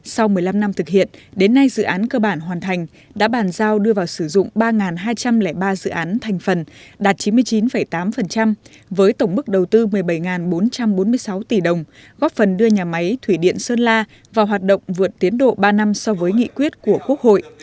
sau một mươi năm năm thực hiện đến nay dự án cơ bản hoàn thành đã bàn giao đưa vào sử dụng ba hai trăm linh ba dự án thành phần đạt chín mươi chín tám với tổng mức đầu tư một mươi bảy bốn trăm bốn mươi sáu tỷ đồng góp phần đưa nhà máy thủy điện sơn la vào hoạt động vượt tiến độ ba năm so với nghị quyết của quốc hội